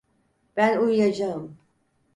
Ben uyuyacağım.